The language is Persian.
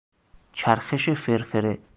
چرخش فرفره